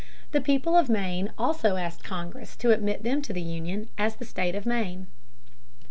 The people of Maine also asked Congress to admit them to the Union as the state of Maine.